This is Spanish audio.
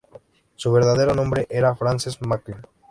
Su verdadero nombre era Frances McCann.